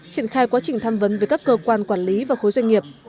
triển khai quá trình tham vấn với các cơ quan quản lý và khối doanh nghiệp